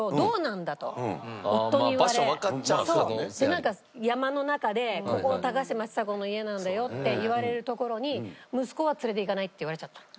なんか山の中でここ高嶋ちさ子の家なんだよって言われる所に息子は連れていかないって言われちゃった。